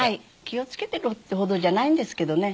気を付けてるってほどじゃないんですけどね。